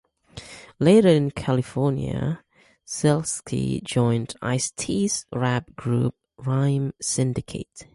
Later in California, Silkski joined Ice-T's rap group Rhyme Syndicate.